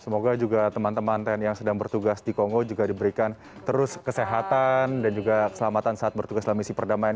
semoga juga teman teman tni yang sedang bertugas di kongo juga diberikan terus kesehatan dan juga keselamatan saat bertugas dalam misi perdamaian